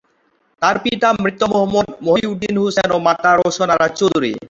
তার পিতা মৃত মোহাম্মদ মহিউদ্দিন হোসেন ও মাতা রওশন আরা চৌধুরী।